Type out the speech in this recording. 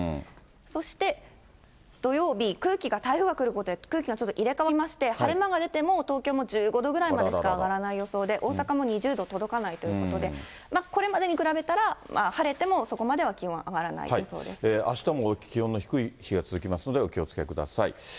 そして土曜日、台風が来ることで、空気が入れ代わりまして、晴れ間が出ても東京も１５度ぐらいまでしか上がらない予想で、大阪も２０度届かないということで、これまでに比べたら、晴れてもそこまでは気温、上がらない予想であしたも気温の低い日が続きますので、お気をつけください。